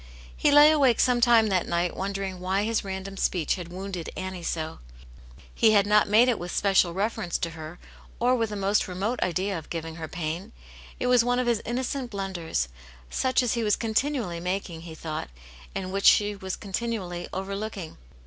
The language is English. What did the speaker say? He lay awake some time that night, wondering why his random speech had >NOu\\.d^^ Kx\xC\^ ^<^.^^^ 172 Aunt yane*s Hero. t had not made it with special reference to her, or with the most remote idea of giving her pain ; it was one of his innocent blunders, such as he was continually making, he thought, and which she was continually overlooking.